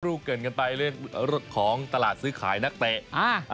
ลูกเกิดกันไปเล่นรถของตลาดซื้อขายนักเตะ